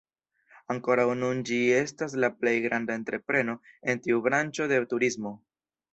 Ankoraŭ nun ĝi estas la plej granda entrepreno en tiu branĉo de turismo.